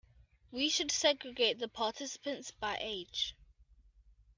We should segregate the participants by age.